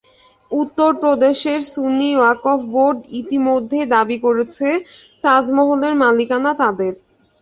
উত্তর প্রদেশের সুন্নি ওয়াক্ফ বোর্ড ইতিমধ্যেই দাবি করেছে, তাজমহলের মালিকানা তাদের।